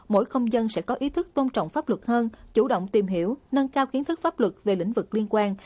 mỗi công dân sẽ có ý thức tôn trọng pháp luật hơn chủ động tìm hiểu nâng cao kiến thức pháp luật về lĩnh vực liên quan